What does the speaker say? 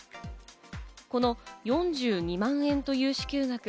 この４２万円という支給額。